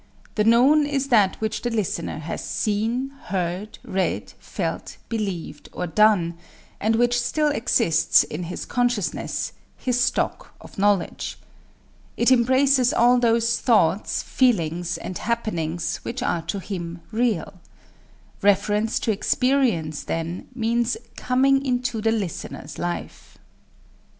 The known is that which the listener has seen, heard, read, felt, believed or done, and which still exists in his consciousness his stock of knowledge. It embraces all those thoughts, feelings and happenings which are to him real. Reference to Experience, then, means coming into the listener's life.